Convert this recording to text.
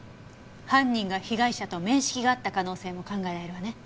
犯人が被害者と面識があった可能性も考えられるわね。